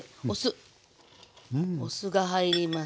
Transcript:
お酢が入ります。